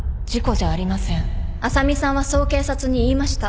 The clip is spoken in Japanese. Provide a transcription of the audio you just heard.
あさみさんはそう警察に言いました。